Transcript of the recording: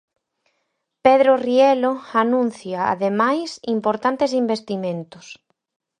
Pedro Rielo, anuncia, ademais, importantes investimentos.